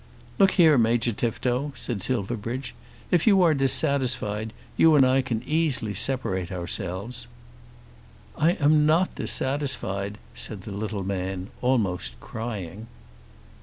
"Look here, Major Tifto," said Silverbridge; "if you are dissatisfied, you and I can easily separate ourselves." "I am not dissatisfied," said the little man, almost crying.